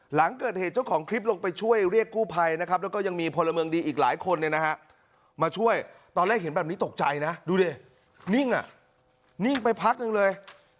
หลังเกิดเหตุเจ้าของคลิปลงไปช่วยเรียกกู้ภัยนะครับแล้วก็ยังมีพลเมืองดีอีกหลายคนเนี่ยนะฮะมาช่วยตอนแรกเห็นแบบนี้ตกใจนะดูดินิ่งอ่ะนิ่งไปพักหนึ่งเลย